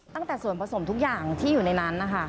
ตั้งแต่ส่วนผสมทุกอย่างที่อยู่ในนั้นนะคะ